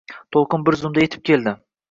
To`lqin bir zumda etib keldi